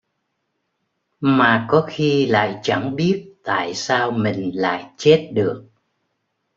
Mà có khi lại chẳng biết tại sao mình lại chết được